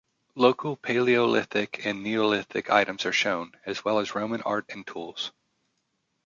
Local Paleolithic and Neolithic items are shown, as well as Roman art and tools.